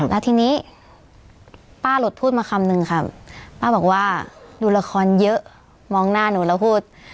แล้วทีนี้ป้าหลุดพูดมาคำนึงค่ะป้าบอกว่าดูละครเยอะมองหน้าหนูแล้วพูด